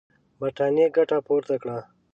برټانیې ګټه پورته کړه.